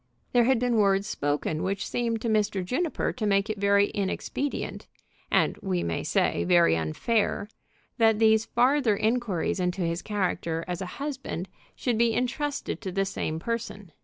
There had been words spoken which seemed to Mr. Juniper to make it very inexpedient, and we may say very unfair, that these farther inquiries into his character as a husband should be intrusted to the same person.